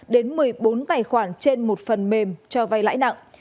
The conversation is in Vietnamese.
đến một mươi bốn tài khoản trên một phần mềm cho vay lãi nặng